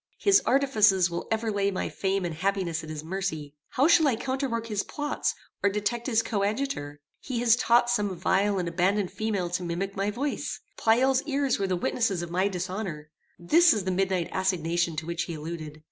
His artifices will ever lay my fame and happiness at his mercy. How shall I counterwork his plots, or detect his coadjutor? He has taught some vile and abandoned female to mimic my voice. Pleyel's ears were the witnesses of my dishonor. This is the midnight assignation to which he alluded.